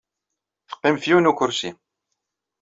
Teqqim ɣef yiwen n ukersi.